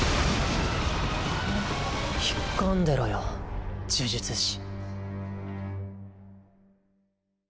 引っ込んでろよ呪術師。